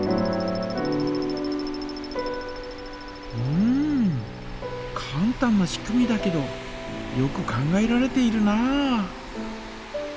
うんかん単な仕組みだけどよく考えられているなあ。